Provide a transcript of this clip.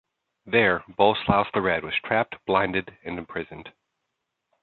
There, Boleslaus the Red was trapped, blinded and imprisoned.